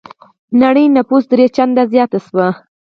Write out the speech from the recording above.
نړۍ نفوس درې چنده زيات شوی.